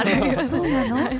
そうなの？